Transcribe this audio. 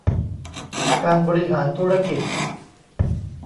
การบริหารธุรกิจ